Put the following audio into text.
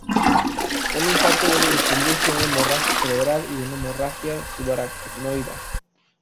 Un infarto debe distinguirse de una hemorragia cerebral y de una hemorragia subaracnoidea.